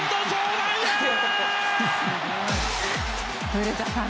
古田さん